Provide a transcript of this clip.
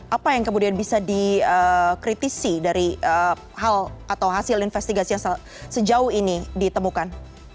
apa yang kemudian bisa dikritisi dari hal atau hasil investigasi yang sejauh ini ditemukan